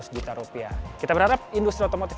seratus juta rupiah kita berharap industri otomotif